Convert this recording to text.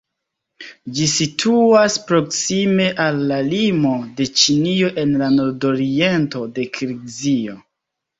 Ĝi situas proksime al la limo de Ĉinio en la nordoriento de Kirgizio.